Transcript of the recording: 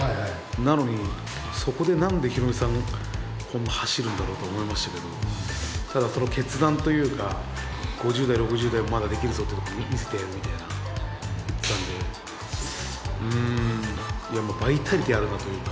なのにそこでなんでヒロミさん、こんな走るんだろうと思いましたけど、だからその決断というか、５０代、６０代まだできるぞというところを見せてやるみたいな感じだったんで、うーん、バイタリティーあるなというか。